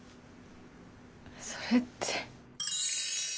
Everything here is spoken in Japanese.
それって。